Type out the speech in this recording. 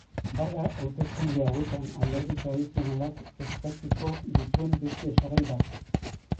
Bada hauteskunde hauetan alderdi tradizionalak kezkatuko dituen beste osagai bat.